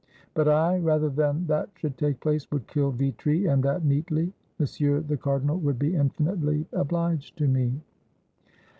"But I, rather than that should take place, would kill Vitry, and that neatly! Monsieur the Cardinal would be infinitely obliged to me."